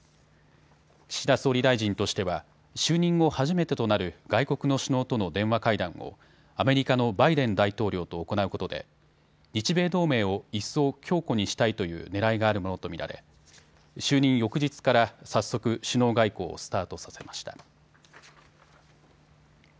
岸田総理大臣としては就任後初めてとなる外国の首脳との電話会談をアメリカのバイデン大統領と行うことで日米同盟を一層強固にしたいというねらいがあるものと見られ就任翌日から早速、首脳外交をスタートさせました。